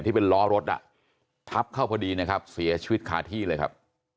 ที่เป็นล้อรถอ่ะทับเข้าพอดีนะครับเสียชีวิตคาที่เลยครับ